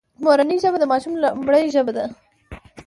مورنۍ ژبه د ماشوم لومړۍ ژبه ده